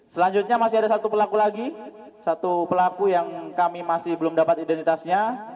selanjutnya masih ada satu pelaku lagi satu pelaku yang kami masih belum dapat identitasnya